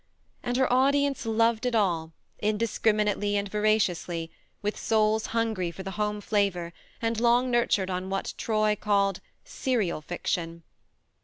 And her audience loved it all, indis criminately and voraciously, with souls hungry for the home flavour and long nurtured on what Troy called " cereal fiction."